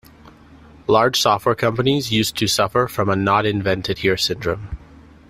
Large software companies used to suffer from a not invented here syndrome.